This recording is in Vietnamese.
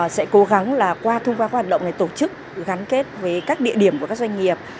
sẽ cố gắng là qua thông qua các hoạt động này tổ chức gắn kết với các địa điểm của các doanh nghiệp